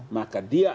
maka dia akan